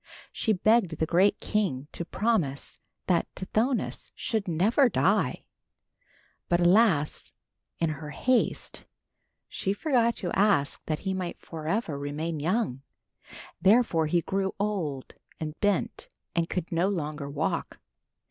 She begged the great king to promise that Tithonus should never die. But alas, in her haste, she forgot to ask that he might forever remain young. Therefore he grew old and bent, and could no longer walk.